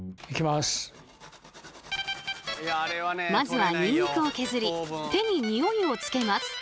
まずはニンニクを削り手にニオイをつけます。